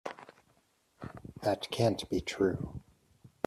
That can't be true.